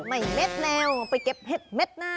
เม็ดแล้วไปเก็บเห็ดเม็ดหน้า